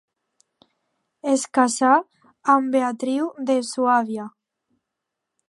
Es casà amb Beatriu de Suàbia.